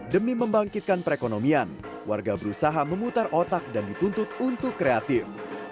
demi membangkitkan perekonomian warga berusaha memutar otak dan dituntut untuk kreatif